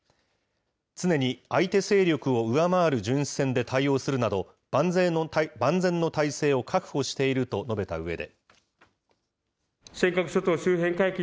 常に相手勢力を上回る巡視船で対応するなど、万全の体制を確保していると述べたうえで。